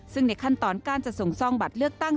ซึ่งในขั้นตอนการจะส่งซ่องบัตรเลือกตั้ง